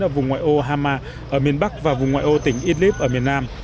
ở vùng ngoại ô hama ở miền bắc và vùng ngoại ô tỉnh idlib ở miền nam